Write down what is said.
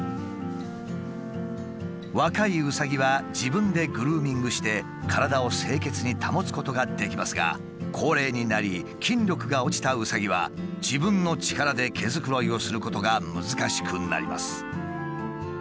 若いうさぎは自分でグルーミングして体を清潔に保つことができますが高齢になり筋力が落ちたうさぎは自分の力で毛づくろいをすることが難しくなります。